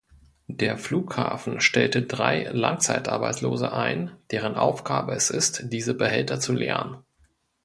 Der Flughafen stellte drei Langzeitarbeitslose ein, deren Aufgabe es ist, diese Behälter zu leeren.